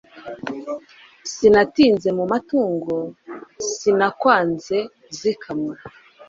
Sinatinze mu matungo sinakwanze zikamwa